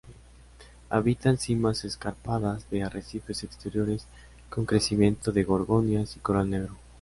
Habitan simas escarpadas de arrecifes exteriores, con crecimiento de gorgonias y coral negro.